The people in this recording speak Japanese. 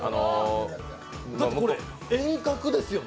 だってこれ遠隔ですよね？